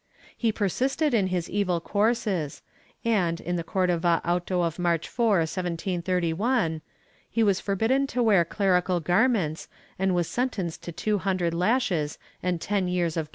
He persisted in his evil courses and, in the Cordova auto of March 4, 1731, he was forbidden to wear clerical garments and was sentenced to two hundred lashes and ten years of galleys.